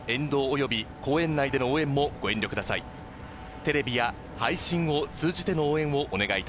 また沿道及び、公園内での応援もご遠慮ください。